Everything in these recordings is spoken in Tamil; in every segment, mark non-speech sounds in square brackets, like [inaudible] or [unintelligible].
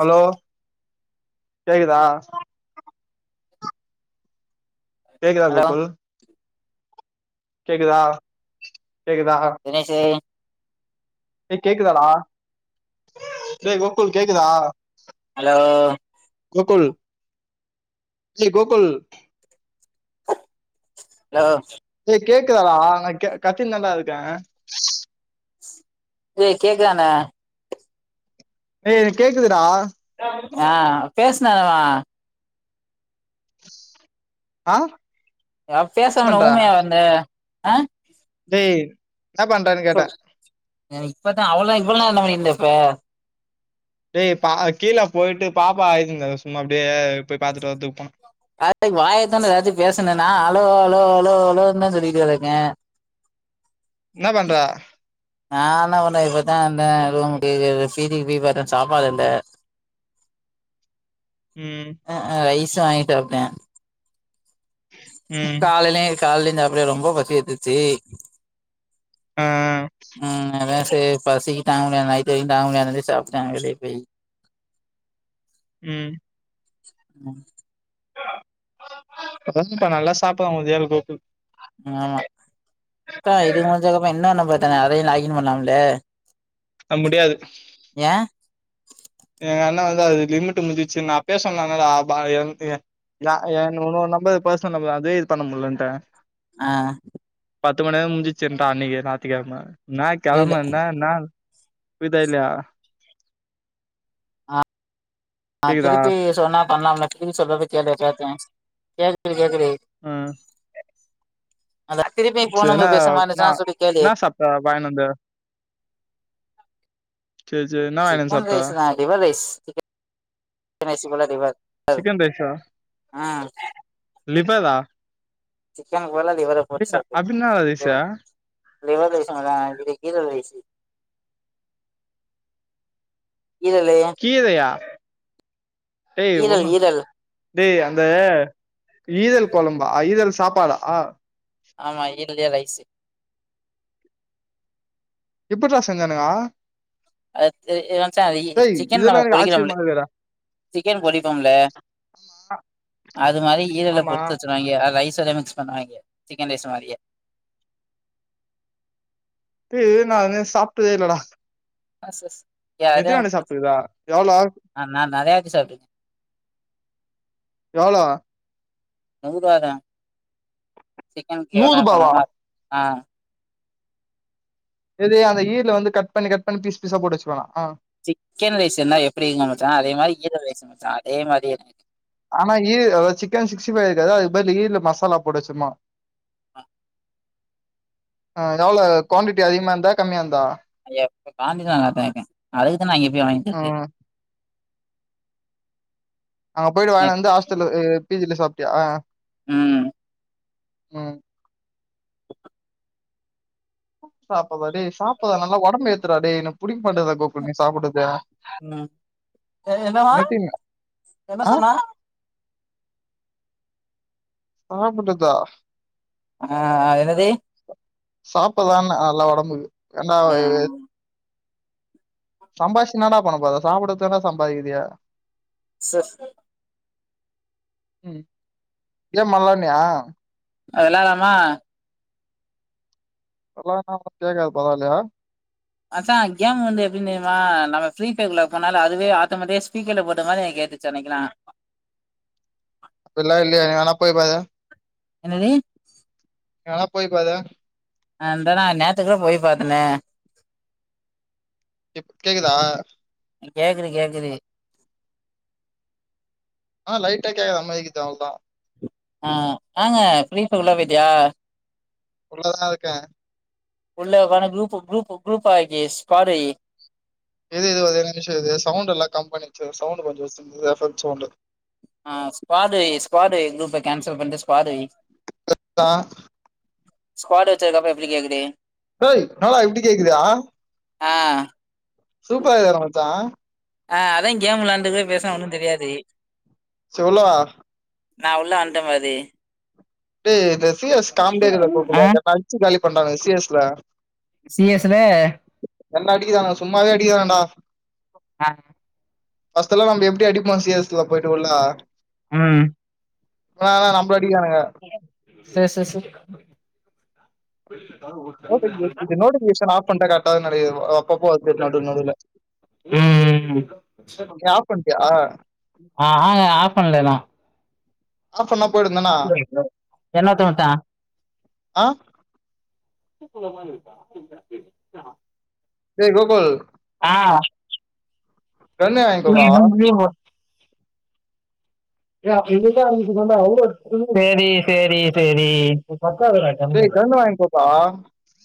ஹலோ கேக்குதா கேக்குதா ஹலோ கோகுல் கேக்குதா கேக்குதா தினேஷ்ஷு ஏ கேக்குதடா ஏ கோகுல் கேக்குதா ஹலோ கோகுல் லேய் கோகுல் ஹலோ லேய் கேக்குதாடா நா கத்தின்னு தாண்டா இருக்க ஏ கேக்குதா என்ன ஏய் எனக் கேக்குதுடா ஆ பேசுனவ ஆ ஏ பேசாம என்ன ஊமையாவ இருந்த ஆ லேய் என்ன பண்றங் சொல் இப்பதா அவ்வளா இவ்வள நேர என்ன பண்ணிருந்த இப்ப டேய் பா கீழ போயிட்டு பாப்பா ஆய்ருந்தா சும்மா அப்டியே போய் பாத்துட்டு வரதுக்கு போன அத வாயத்தொன்னு ஏதாச்சு பேசுனா என்னா அலோ அலோ அலோ அலோனு தா சொல்லிட்டு கெடக்க என்ன பண்ற நா என்ன பண்ணே இப்பத்தா வந்த ரூம் பீதிக்கு சீடிக்கு போய் பாத்த சாப்பாடு இல்ல இன் ஆடியபிள் ம் ஆ ஆ ரைஸ் வாங்கி சாப்ட்ட ம் காலையிலயு கால்லேந்து சாப்ல ரொம்ப பசி எத்துச்சு ஆ ம் அதா சேர் பசி தாங்க முடியாம நைட்டு வெரியு தாங்காதுனு சாப்ட வெளிய போய் ம் ம் அதாங்கா நல்லா சாப்புறா உதயா கோகுல் ஆமா தா இது முடிஞ்சக்கப்ற என்னன்ன பாத்தாங்க அதயு லாகின் பண்லாம்ல்ல அ முடியாது ஏ எங்க அண்ணா வந்து அது லிமிட் முடிஞ்ச்சி நா அப்பேயே சொன்ன இல்லடா அ ப ஏ எ ய அ ஏ உன்னோரு நம்பரு பர்சனல் நம்பரு அதே இது பண்ண முல்லன்டாங்க ஆ பத்து மண் நேரோ முஞ்ச்சின்டா அன்னைக்கு நாத்திக்கெழம என்னா புரியல கெழம என்னா நாள் புரிதா இல்யா ஆ கேக்குதா திருப்பி சொன்னா பண்லாம்ல்ல திருப்பி சொல்றது கேளு கேட்டே கேக்குது கேக்குது ஆ அத திருப்பி ஃபோன் செரி என்னா நம்பர் பேசுற மாரி நா இருந்துச்சுன்னா சொல்லி கேளு என்ன சாப்ட்ட வாய்னுவந்த சேரி சேரி என்னா வாங்கினு வந்து சிக்கன் சாப்ட்ட ரைஸ் நா லிவர் ரைஸ் சிக்கன் ரைஸ் போல ரிவர் சிக்கன் ரைஸா லிவரா சிக்கன்கு பதிலா லிவர போட்டு டேய் சாப்டு அப்டி என்னடா லிவர ரைஸு லிவர் ரைஸு அதா இது கீர ரைஸு ஈரல்லயா கீரையா டேய் ஈரல் ஒன்னு ஈரல் டேய் அந்த ஈரல் கொழம்பா ஈரல் சாப்பாடா ஆமா ஈரல்லையே ரைஸு எப்பட்றா செஞ்சானுங்க அத்து ஏ மச்சா வெய் டேய் சிக்கன் இதெல்லா நம்ம எனக்கு பொறிக்கிறமில்ல ஆச்சரியமா இருக்குடா சிக்கன் பொறிப்பமில்ல அது மாரி ஈரல ஆமா பொறுச்சி வச்சு பன்னுவாய்ங்க அ ரைஸ்ல மிக்ஸ் பண்ணுவாய்ங்க சிக்கன் ரைஸ் மாரியே து நானு சாப்ட்டதே இல்லடா எ அது எத்தினாண்ட சாப்ட்டுருக்குடா எவ்ளோ அ நா நெறைய வாட்டி சாப்ட்ருக்க எவ்ளோ நூரூவா தா சிக்கனுக்கு எவ்ளோ நூறுபாவா பணமோ ஆ எது அந்த ஈர்ல வந்து கட் பண்ணி கட் பண்ணி பீஸ் பீஸா போட்டு வச்சுருவாங்லா ஆ சிக்கன் ரைஸ் இருந்தா எப்டிங்க மச்சா அதே மாரி ஈரல் ரைஸு மச்சா அதே மாரியே ஆனா ஈ அத சிக்கன் சிக்ஸ்டி ஃபைவ் இருக்காத அதுக் பதிலு ஈர்லு மசாலா போட்டு வச்சம்மா ஆ ஆ எவ்ள கூவாண்டிட்டி அதிகமா இருந்தா கம்மியா இருந்தா காந்தி நல்லாத்தா இருக்க அதுக்கு தா நா இப்டி வாய்ங்கிறது ம் அங்க போயிட்டு வாங்கினு நெட் வந்து ஹாஸ்டல்ல அ பி ஜில சாப்ட்டியா ம் ம் உ சாப்புறா டே சாப்புறா நல்லா ஒடம்ப ஏத்துறா டே என்ன புடிக்க மாட்டாது போக்குண்ணே சாப்டுதே ம் எ என்னவா நித்தினு என்ன ஆ சொன்னா சாப்புடுதா ஆ என்னது சாப்புதான நல்லா ஒடம்பு ஏண்டா ம் சம்பாச்சுஎன்னடா பண்ண போர சாப்பிடறதுக்கு தானே சம்பாதிக்கிரிய சஃ ஏ மல்லண்ணியா அதல்லா லாமா அல்ல நா நாம் கி யே கா பாதலயா மச்சா கேம் வந்து எப்டினு தெரிமா நம் ஃப்ரீஃபைய்யர்க்குள்ள போனாலு அதுவே ஆட்டமெதிக்கா ஸ்பீக்கர்ல போட்ட மாதிரி என கேக்து சென்னைக்குலா அப்பல்லா இல்லியே எங்கனா போய் பாரு என்னது எங்கனா போய்ப்பாரு நாந்த நா நேத்து கூட போய் பாத்தனே இப் கேக்குதா கேக்குது கேக்குது ஆ லைட் ஆ கேகுத மாதி இக்கிது அவ்ள் தா ஆ வாங்க ஃப்ரிபேர் உள்ள போய்டியா உள்ளதா இருக்கே உள்ளே உக்கானு குரூப்பு குரூப்பு குரூப் ஆகிஸ் பாரே இது இது வந்து என்ன செய்து சவுண்ட் எல்லா கம்பன்னிச்சு சவுண்ட் கொஞ்சோ சவுண்ட் எபெக்ட் சவுண்டு ஆ ஸ்குவாடு ஸ்குவாடு குரூப்ப கேன்சல் பண்ணிட்டு ஸ்குவாடு வெய் க்ரெக்தா ஸ்க்வாட் வெச்சதுக்கு அப்றோ எப்டி கேக்குது ஏய் நாட இப்டி கேக்குதுஅ ஆ சூப்பரா இருக்குற மச்சா ஆ அதா கேம் விளையாண்டுக்னே பேசுனா ஒனு தெரியாது சொ உல்லவா நா உள்ள வன்ட்ட பாதி இந்த சிஎஸ் காம்டேரியால ஆ போகூடாது நம்ள அட்ச்சு காலி பண்டாங்க சிஎஸ்ல சி எஸ் ல என்ன அடிக்குதான சும்மாவே அடிக்கு தான்டா ஆ ஃபஸ்டு எல்லா நம்ப எப்டி அடிப்போ சீ எஸ் ல போயிட்டு உள்ள ம் கொனாலா நம்பள அடிகிரானுக செ செ செ வெள்ளிக்கழோ ஊர் நோட்டிபிகேஷன் ஆப் பண்ட கரெக்டாது நினைக்கிற அப்போ அப்போ வருது நடு நடுல ம் ம் ம் ஏ ஆப்ஃபன்டியா ஆ ஆ ஆப் பண்லேனா ஆஃப் பண்ணா போயிடுந்தான் என்ன தோட்டா ஆ [unintelligible] அ ஏய் கோகுல் ஆ தண்ணி வாங்கிட் வர்லாவா சேரி சேரி சேரி டேய் கன்னு வாங்கி குர்றா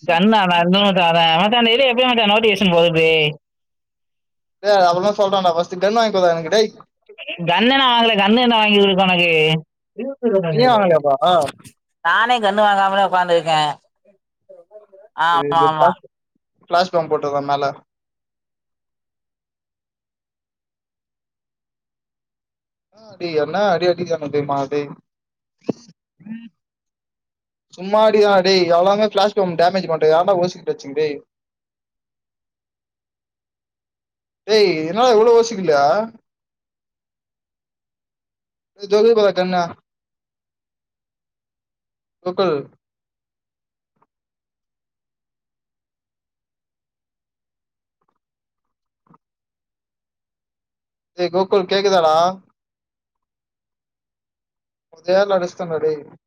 கன்னா [unintelligible] எப்டி மச்சா நோட்டிபிகேஷன் போகுதிப்டி டேய் அத அப்பறமா சொல்றான்டா ஃபஸ்டு கன் வாங்க்குடா எனக்கு டேய் கன்னே நா வாங்ல கண்னே என்டா வாங்கிக்கு உனக்கு நீயே வாங்கலையாப்பா [unintelligible] நானே கன்னு வாங்காமதா உக்காந்துருக்க இது இது பிளாஸ் பிளாஸ் கம் போட்டதா மேல என்னா டேய் என்னா அடி அடிக்கறாங்க தெரிமா டேய் சும்மா அடிக்கிறா டேய் எல்லாமே ஃப்ளாஸ் கம் டேமேஜ் பண்ட்ருக்கா [unintelligible] டேய் ஏய் என்னடா இவ்வள யோசிக்கில [unintelligible] டென்னா கோகுல் டேய் கோகுல் கேக்குதாடா உதயாள அடிச்டான்டா டேய்